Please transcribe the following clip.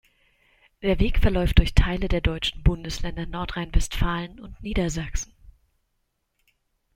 Der Weg verläuft durch Teile der deutschen Bundesländer Nordrhein-Westfalen und Niedersachsen.